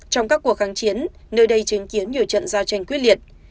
trong các cuộc kháng chiến nơi đây chứng kiến nhiều trận giao tranh quyết liệt